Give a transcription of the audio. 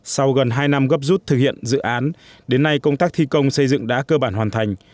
sau gần hai năm gấp rút thực hiện dự án đến nay công tác thi công xây dựng đã cơ bản hoàn thành